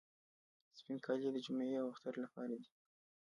سپین کالي د جمعې او اختر لپاره دي.